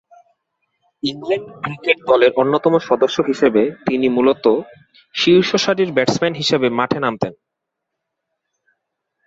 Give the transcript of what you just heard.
England cricket দলের অন্যতম সদস্য হিসেবে তিনি মূলতঃ শীর্ষসারির ব্যাটসম্যান হিসেবে মাঠে নামতেন।